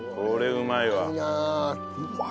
うまいな！